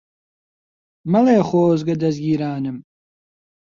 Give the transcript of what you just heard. مەڵێ خۆزگە دەزگیرانم